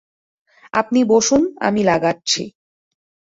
আপনি বসুন, আমি লাগাচ্ছি।